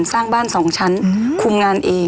สร้างบ้าน๒ชั้นคุมงานเอง